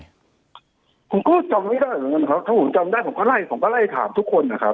ผมก็จำไม่ได้เหมือนกันครับถ้าผมจำได้ผมก็ไล่ผมก็ไล่ถามทุกคนนะครับ